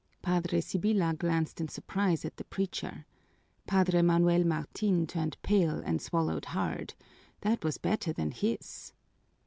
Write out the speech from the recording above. Padre Sibyla glanced in surprise at the preacher. Padre Manuel Martin turned pale and swallowed hard that was better than his!